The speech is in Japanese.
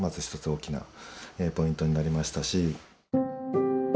大きなポイントになりましたし。